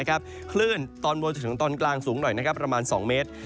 คลื่นตอนบนจนถึงตอนกลางสูงหน่อยประมาณ๒เมตร